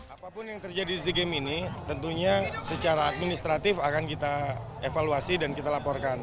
apapun yang terjadi di sea games ini tentunya secara administratif akan kita evaluasi dan kita laporkan